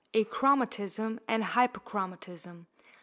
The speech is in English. ACHROMATISM AND HYPERCHROMATISM.